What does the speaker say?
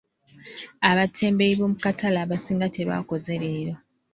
Abatembeeyi b'omu katale abasinga tebaakoze leero.